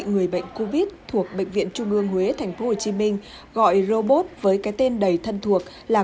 người bệnh covid thuộc bệnh viện trung ương huế tp hcm gọi robot với cái tên đầy thân thuộc là